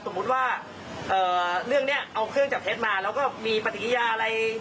สมมุติว่าเรื่องนี้เอาเครื่องจับเท็จมาแล้วก็มีปฏิกิยาอะไร